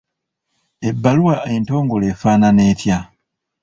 Ebbaluwa entongole efaanana etya?